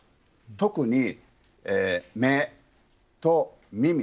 特に目と耳。